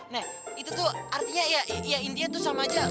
nah itu tuh artinya ya india tuh sama aja